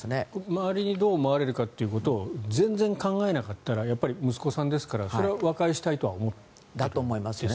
周りにどう思われるかということを全然考えなかったらやっぱり息子さんですからそれは和解したいと思うわけですよね。